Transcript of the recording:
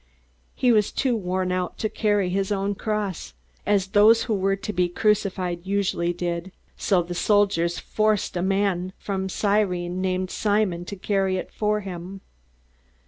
He was too worn out to carry his own cross, as those who were to be crucified usually did, so the soldiers forced a man of Cyrene named Simon to carry it for him.